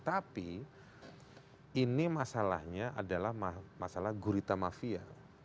tapi ini masalahnya adalah masalah gurita mafia